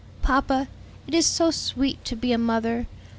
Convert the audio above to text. "Papa, it is so sweet to be a mother!